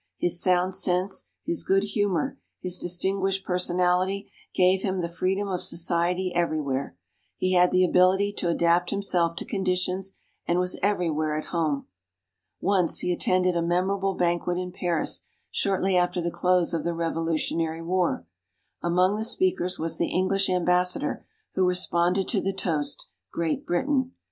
His sound sense, his good humor, his distinguished personality, gave him the freedom of society everywhere. He had the ability to adapt himself to conditions, and was everywhere at home. Once, he attended a memorable banquet in Paris shortly after the close of the Revolutionary War. Among the speakers was the English Ambassador, who responded to the toast, "Great Britain."